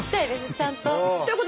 ちゃんと。